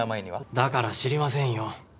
だから知りませんよ！